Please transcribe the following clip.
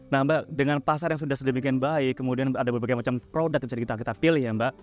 nah mbak dengan pasar yang sudah sedemikian baik kemudian ada berbagai macam produk yang bisa kita pilih ya mbak